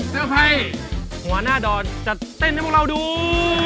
เซอร์ไพรส์หัวหน้าดอดจะเต้นให้พวกเราดู